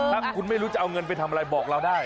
ถ้าคุณไม่รู้จะเอาเงินไปทำอะไรบอกเราได้